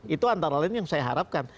itu antara lain yang saya harapkan